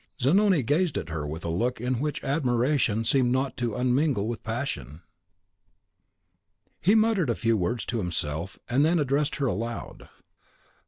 Zanoni gazed at her with a look in which admiration seemed not unmingled with compassion. He muttered a few words to himself, and then addressed her aloud.